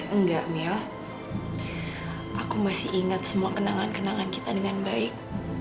enggak mia aku masih ingat semua kenangan kenangan kita dengan baik